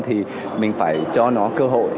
thì mình phải cho nó cơ hội